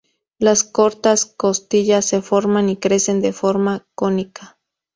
Las cortas costillas se forman y crecen de forma cónica.